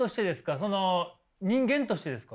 その人間としてですか？